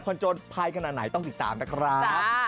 กับคนโจรภายขนาดไหนต้องติดตามนะครับ